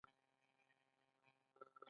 آیا دا د نړۍ ګرمې سیمې نه دي؟